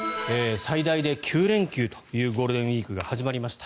最大で９連休というゴールデンウィークが始まりました。